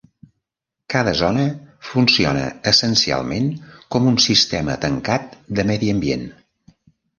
Cada zona funciona essencialment com un sistema tancat de medi ambient.